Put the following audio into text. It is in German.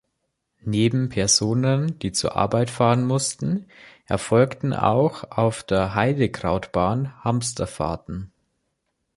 Neben Personen, die zur Arbeit fahren mussten, erfolgten auch auf der Heidekrautbahn Hamsterfahrten.